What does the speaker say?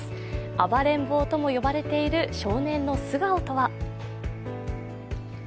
暴れん坊とも呼ばれている少年の素顔とは。